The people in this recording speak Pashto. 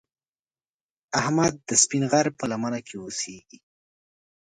احمد د سپین غر په لمنه کې اوسږي.